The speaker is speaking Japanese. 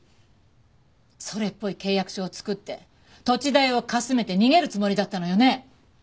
それっぽい契約書を作って土地代をかすめて逃げるつもりだったのよね。